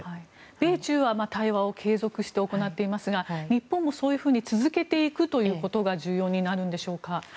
米中は対話を継続して行っていますが日本も、そういうふうに続けていくということが重要になるんでしょうか。